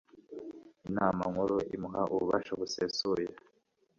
inama nkuru imuha ububasha busesuye